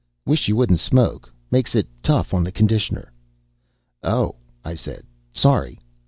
"Wish you wouldn't smoke. Makes it tough on the conditioner." "Oh," I said. "Sorry."